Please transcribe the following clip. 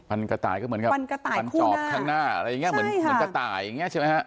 ฟันกระต่ายก็เหมือนครับฟันกระต่ายคู่หน้าฟันจอบข้างหน้าอะไรอย่างเงี้ยเหมือนกระต่ายอย่างเงี้ยใช่ไหมฮะ